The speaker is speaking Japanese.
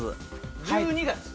１２月！